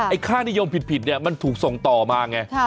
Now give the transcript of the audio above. ไอ้ค่านิยมผิดมันถูกส่งต่อมาไง